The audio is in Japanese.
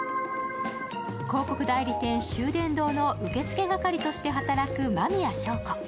広告代理店、秀伝堂の受付係として働く麻宮祥子。